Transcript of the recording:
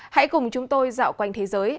hãy cùng chúng tôi dạo quanh thế giới